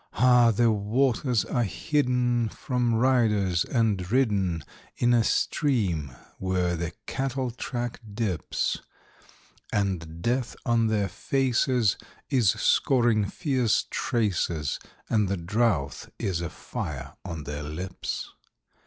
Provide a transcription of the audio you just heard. Ah! the waters are hidden from riders and ridden In a stream where the cattle track dips; And Death on their faces is scoring fierce traces, And the drouth is a fire on their lips.